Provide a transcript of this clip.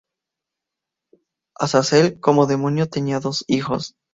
Azazel, como demonio, tenía "dos hijos".